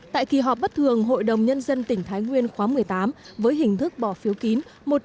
tại kỳ họp bất thường hội đồng nhân dân tỉnh thái nguyên khóa một mươi tám với hình thức bỏ phiếu kín